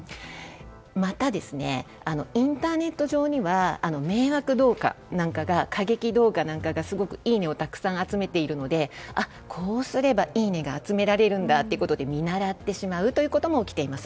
また、インターネット上には迷惑動画や過激動画がなんかがいいねをたくさん集めているのでこうすれば、いいねが集められるんだということで見習ってしまうということも起きています。